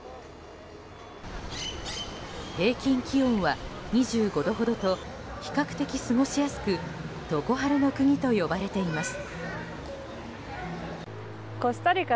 平均気温は２５度ほどと比較的過ごしやすく常春の国と呼ばれています。